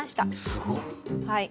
すごっ。